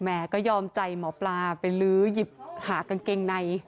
แม่ก็ยอมใจหมอปลาไปลื้อหากางเกงใน